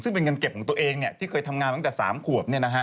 ซึ่งเป็นเงินเก็บของตัวเองที่เคยทำงานตั้งแต่๓ขวบ